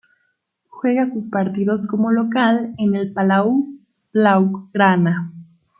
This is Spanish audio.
Juega sus partidos como local en el Palau Blaugrana.